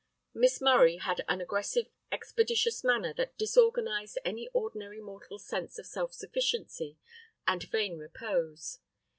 Miss Murray had an aggressive, expeditious manner that disorganized any ordinary mortal's sense of self sufficiency and vain repose.